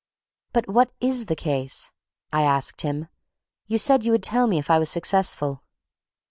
"But what is the case?" I asked him. "You said you would tell me if I was successful."